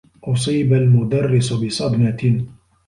أُصيب المدرّس بصدمة.